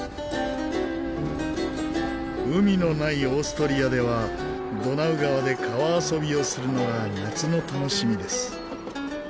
海のないオーストリアではドナウ川で川遊びをするのが夏の楽しみです。